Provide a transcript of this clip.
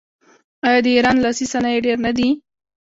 آیا د ایران لاسي صنایع ډیر نه دي؟